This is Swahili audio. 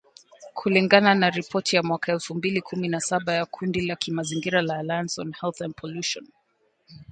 Kulingana na ripoti ya mwaka elfu mbili kumi na saba ya kundi la kimazingira la Alliance on Health and Pollution